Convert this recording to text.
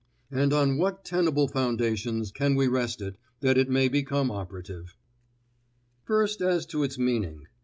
And on what tenable foundations can we rest it, that it may become operative? First, as to its meaning.